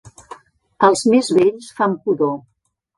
Els més vells fan pudor.